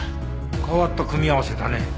変わった組み合わせだね。